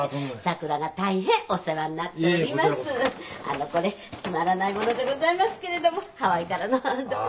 あのこれつまらないものでございますけれどもハワイからのどうぞ。